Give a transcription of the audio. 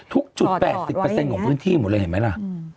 ทุกจุด๘๐ของพื้นที่หมดเลยเห็นไหมล่ะ